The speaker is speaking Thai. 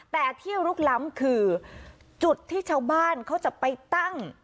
แต่ที่ลุกล้ำคือจุดที่ชาวบ้านเขาจะไปตั้ง